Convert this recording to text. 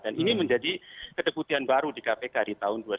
dan ini menjadi ketebutian baru di kpk di tahun dua ribu dua puluh satu ini